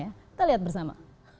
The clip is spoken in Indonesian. kita lihat bersama